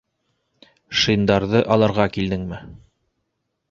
— Шиндарҙы алырға килдеңме?